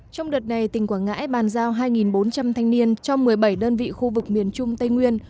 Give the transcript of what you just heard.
trong đợt này tỉnh quảng ngãi bàn giao hai bốn trăm linh thanh niên cho một mươi bảy đơn vị khu vực miền trung tây nguyên